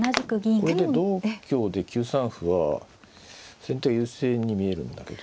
これで同香で９三歩は先手が優勢に見えるんだけど。